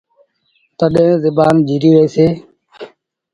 تڏهيݩ زبآن جيٚريٚ رهيٚسي۔